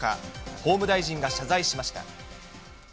法務大臣が謝罪しました。